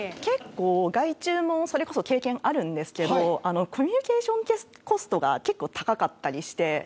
結構外注もそれこそ経験あるんですけどコミュニケーションコストが結構高かったりして。